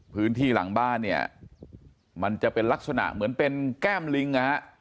พื้นที่หลังบ้านเนี่ยมันจะเป็นลักษณะเหมือนเป็นแก้มลิงนะฮะ